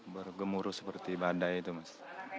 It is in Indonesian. bergemuruh seperti badai itu mas